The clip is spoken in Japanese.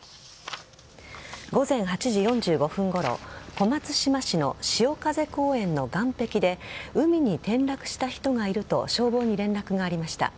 午前８時４５分ごろ小松島市のしおかぜ公園の岸壁で海に転落した人がいると消防に連絡がありました。